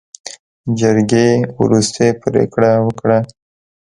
جرګې وروستۍ پرېکړه وکړه.